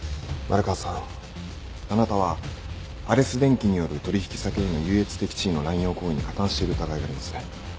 丸川さんあなたはアレス電機による取引先への優越的地位の濫用行為に加担している疑いがあります。